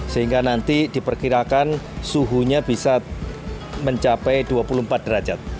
sehingga nanti diperkirakan suhunya bisa mencapai dua puluh empat derajat